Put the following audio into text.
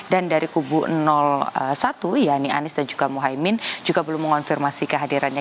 dari kubu satu yani anies dan juga muhaymin juga belum mengonfirmasi kehadirannya